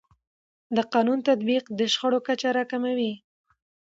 د قانون تطبیق د شخړو کچه راکموي.